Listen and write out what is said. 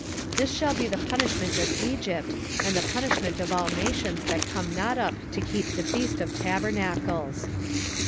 14:19 This shall be the punishment of Egypt, and the punishment of all nations that come not up to keep the feast of tabernacles.